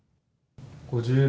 ５０秒。